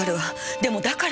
でもだからって。